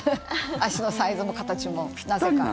足のサイズも形もなぜか。